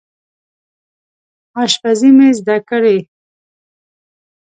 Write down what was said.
اشپزي مې ده زده کړې